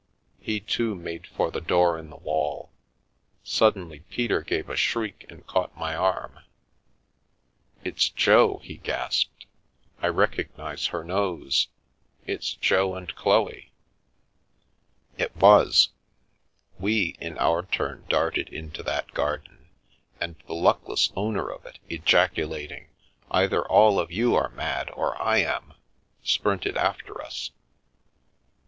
He, too, made for the door in the wall Suddenly Peter gave a shriek and caught my arm. "It's Jo!" he gasped. "I recognise her nose. It's Jo and Chloe !" It was. We, in our turn, darted into that garden; and the luckless owner of it, ejaculating " Either all of you are mad or I ami" sprinted after us.